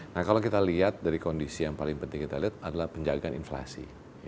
nah kalau kita lihat dari kondisi yang paling penting kita lihat adalah penjagaan inflasi